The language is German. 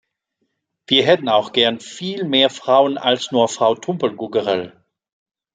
Wir hätten auch gern viel mehr Frauen als nur Frau Tumpel-Gugerell.